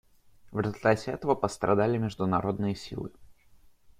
В результате этого пострадали международные силы.